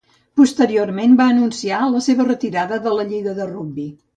Posteriorment va anunciar la seva retirada de la lliga de Rugby.